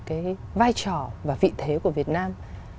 cái vai trò và vị thế của việt nam